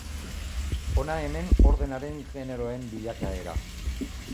Hona hemen ordenaren generoen bilakaera.